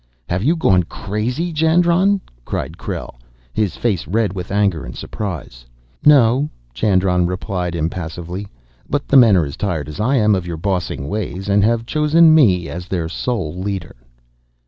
"Have you gone crazy, Jandron?" cried Krell, his face red with anger and surprise. "No," Jandron replied impassively; "but the men are as tired as I am of your bossing ways, and have chosen me as their sole leader."